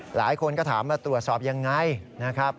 หลายคนก็ถามว่าตรวจสอบอย่างไร